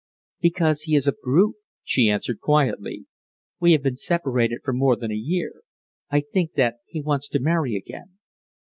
"Because he is a brute," she answered quietly. "We have been separated for more than a year. I think that he wants to marry again."